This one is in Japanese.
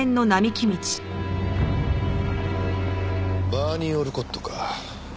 バーニー・オルコットか。